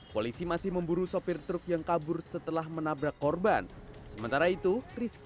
polisi masih memburu sopir truk yang kabur setelah menabrak korban sementara itu rizky